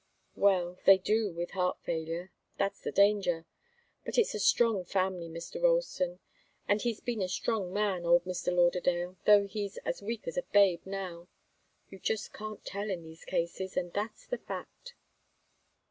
"Well they do with heart failure. That's the danger. But it's a strong family, Mr. Ralston, and he's been a strong man, old Mr. Lauderdale, though he's as weak as a babe now. You just can't tell, in these cases, and that's the fact."